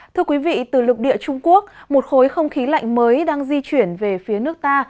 thưa quý vị từ lục địa trung quốc một khối không khí lạnh mới đang di chuyển về phía nước ta